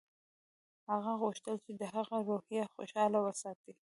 هغه غوښتل چې د هغه روحیه خوشحاله وساتي